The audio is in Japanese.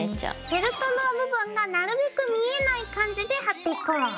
フェルトの部分がなるべく見えない感じで貼っていこう。